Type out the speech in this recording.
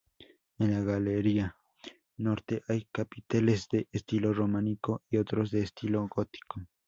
En la galería norte hay capiteles de estilo románico y otros de estilo gótico.